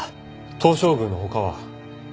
東照宮の他は？